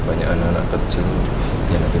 saya akan membuat kue kaya ini dengan kain dan kain